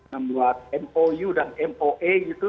membuat mou dan moe gitu